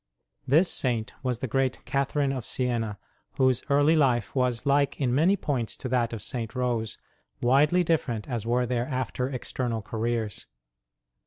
This Saint was the great Catherine of Siena, whose early life was like in many points to that of St. Rose, widely different as were their after external careers.